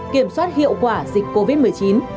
kiểm soát hiệu quả dịch covid một mươi chín